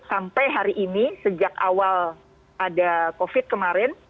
sampai hari ini sejak awal ada covid kemarin